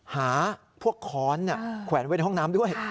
หาพวกค้อนแขวนไว้ในห้องน้ำด้วย